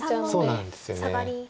そうなんですよね。